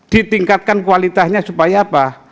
ditingkatkan kualitasnya supaya apa